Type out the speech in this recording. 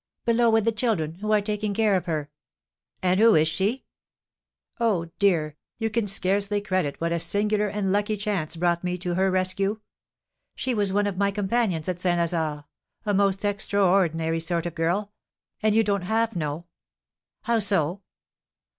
"Below with the children, who are taking care of her." "And who is she?" "Oh, dear, you can scarcely credit what a singular and lucky chance brought me to her rescue! She was one of my companions at St. Lazare, a most extraordinary sort of girl. Oh, you don't half know " "How so?"